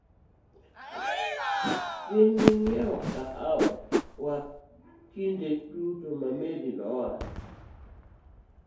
Gin ginyiewo kahawa wa kinde duto, Mary nowacho.